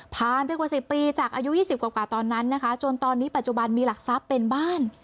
ไปกว่า๑๐ปีจากอายุ๒๐กว่าตอนนั้นนะคะจนตอนนี้ปัจจุบันมีหลักทรัพย์เป็นบ้าน